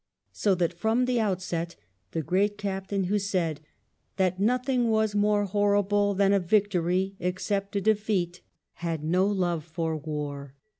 So that from the outset the great captain, who said that "nothing was more horrible than a victory except a defeat," had no love for war.